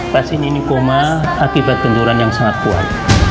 pas ini koma akibat penurunan yang sangat kuat